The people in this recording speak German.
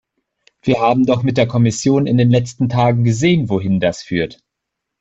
Wir haben doch mit der Kommission in den letzten Tagen gesehen, wohin das führt.